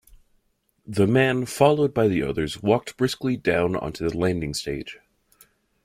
The man, followed by the others, walked briskly down on to the landing-stage.